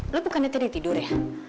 lo bukannya tidak tidur ya